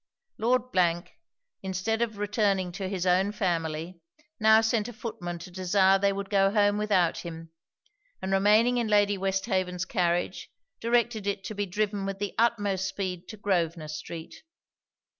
Lord , instead of returning to his own family, now sent a footman to desire they would go home without him; and remaining in Lady Westhaven's carriage, directed it to be driven with the utmost speed to Grosvenor street.